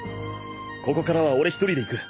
ここからは俺一人で行く。